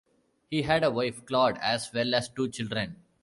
He had a wife, Claude, as well as two children.